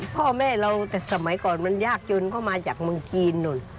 พ่อแม่เราแต่สมัยก่อนมันยากจนเข้ามาจากเมืองจีนนู่น